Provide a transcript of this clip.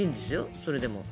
それでも。